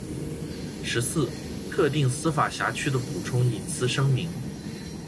十四、特定司法辖区的补充隐私声明